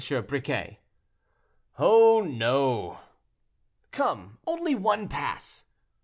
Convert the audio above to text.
Briquet." "Oh, no." "Come, only one pass."